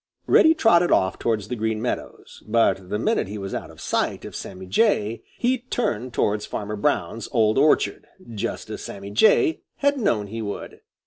Reddy trotted off towards the Green Meadows, but the minute he was out of sight of Sammy Jay, he turned towards Farmer Brown's old orchard, just as Sammy Jay had known he would.